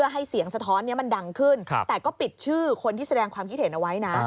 ให้เสียงสะท้อนนี้มันดังขึ้นแต่ก็ปิดชื่อคนที่แสดงความคิดเห็นเอาไว้นะ